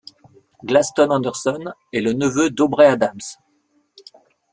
Gladstone Anderson est le neveu d'Aubrey Adams.